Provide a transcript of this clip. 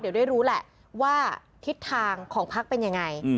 เดี๋ยวได้รู้แหละว่าทิศทางของพักเป็นยังไง